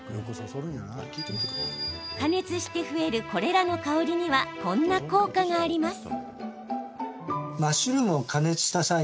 加熱して増えるこれらの香りにはこんな効果があります。